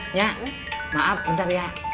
be nyak maaf bentar ya